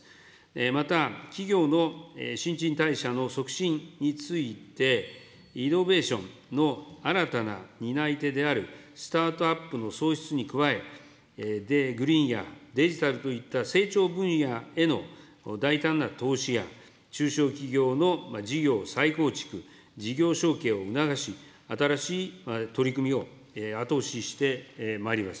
また、企業の新陳代謝の促進について、イノベーションの新たな担い手であるスタートアップの創出に加え、グリーンやデジタルといった成長分野への大胆な投資や、中小企業の事業再構築、事業承継を促し、新しい取り組みを後押ししてまいります。